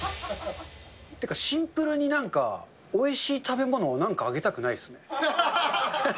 シンプルになんか、おいしい食べ物をなんかあげたくないですね。